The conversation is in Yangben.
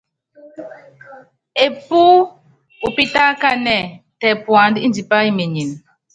Epú upítákanɛ́, tɛ puanda ndipá imenyen.